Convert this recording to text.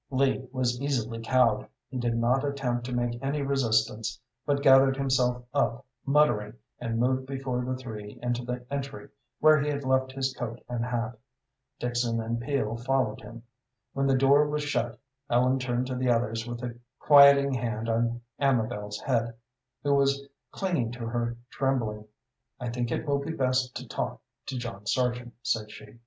Lee was easily cowed. He did not attempt to make any resistance, but gathered himself up, muttering, and moved before the three into the entry, where he had left his coat and hat. Dixon and Peel followed him. When the door was shut, Ellen turned to the others, with a quieting hand on Amabel's head, who was clinging to her, trembling. "I think it will be best to talk to John Sargent," said she.